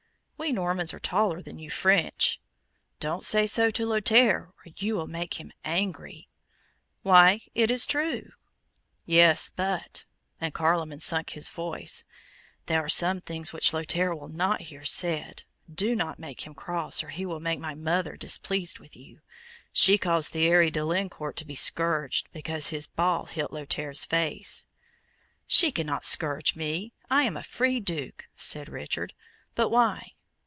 "We Normans are taller than you French." "Don't say so to Lothaire, or you will make him angry." "Why? it is true." "Yes; but " and Carloman sunk his voice "there are some things which Lothaire will not hear said. Do not make him cross, or he will make my mother displeased with you. She caused Thierry de Lincourt to be scourged, because his ball hit Lothaire's face." "She cannot scourge me I am a free Duke," said Richard. "But why?